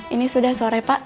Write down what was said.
ini sudah sore pak